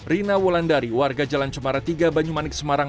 rina wulandari warga jalan cemara tiga banyumanik semarang